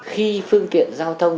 khi phương tiện giao thông